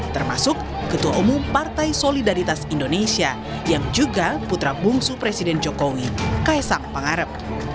termasuk ketua umum partai solidaritas indonesia yang juga putra bungsu presiden jokowi kaisang pangarep